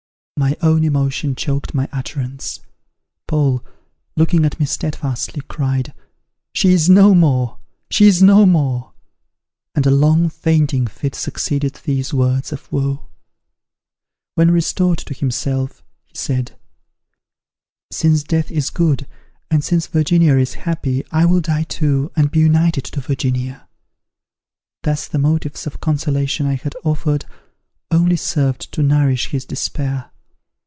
'" My own emotion choked my utterance. Paul, looking at me steadfastly, cried, "She is no more! she is no more!" and a long fainting fit succeeded these words of woe. When restored to himself, he said, "Since death is good, and since Virginia is happy, I will die too, and be united to Virginia." Thus the motives of consolation I had offered, only served to nourish his despair.